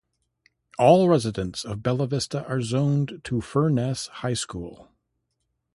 All residents of Bella Vista are zoned to Furness High School.